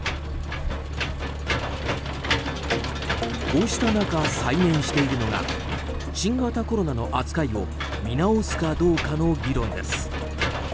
こうした中、再燃しているのが新型コロナの扱いを見直すかどうかの議論です。